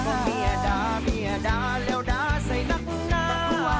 แม่ด่าเมียด่าแล้วด่าใส่นักหน้า